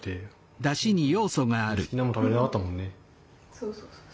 そうそうそうそう。